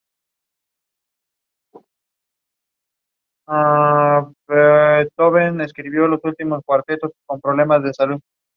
Las estructuras están construidas con roca carbónica.